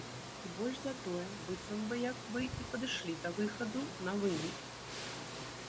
І больш за тое, быццам бы як бы і падышлі да выхаду на вынік.